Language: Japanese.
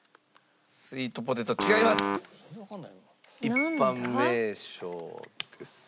一般名称です。